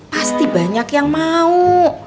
pasti banyak yang mau